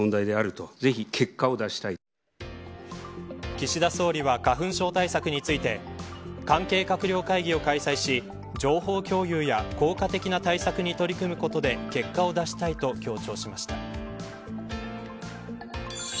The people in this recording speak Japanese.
岸田総理は花粉症に対策について関係閣僚会議を開催し情報共有や効果的な対策に取り組むことで結果を出したいと強調しました。